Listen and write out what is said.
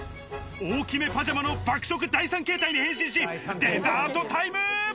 大きめパジャマの爆食第３形態に変身し、デザートタイム！